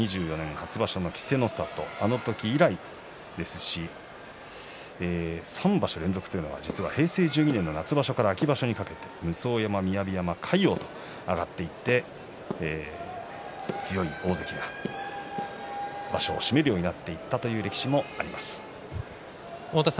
初場所の稀勢の里あの時以来ですし３場所連続というのは実は平成１２年の夏場所から秋場所にかけて武双山、雅山魁皇が上がっていって強い大関が場所を締めるようになっていったという力士もあります。